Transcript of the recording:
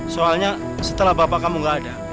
soalnya setelah bapak kamu gak ada